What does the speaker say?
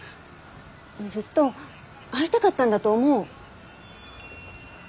ずっと会いたかったんだと思う。